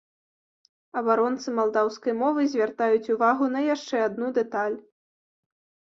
Абаронцы малдаўскай мовы звяртаюць увагу на яшчэ адну дэталь.